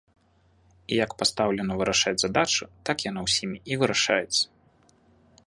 І як пастаўлена вырашаць задачу, так яна ўсімі і вырашаецца.